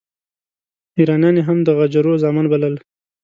ایرانیان یې هم د غجرو زامن بلل.